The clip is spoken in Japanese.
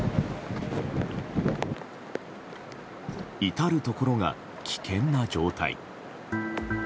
至るところが危険な状態。